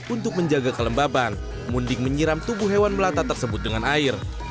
untuk menjaga kelembaban munding menyiram tubuh hewan melata tersebut dengan air